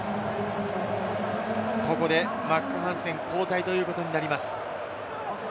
ここでマック・ハンセン、交代ということになります。